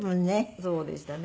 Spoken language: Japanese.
そうでしたね。